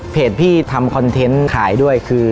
พี่ทำคอนเทนต์ขายด้วยคือ